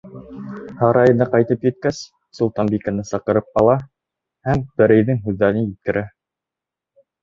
Һарайына ҡайтып еткәс, солтанбикәне саҡырып ала һәм пәрейҙең һүҙҙәрен еткерә.